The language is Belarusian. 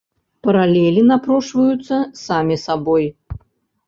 Паралелі напрошваюцца самі сабой.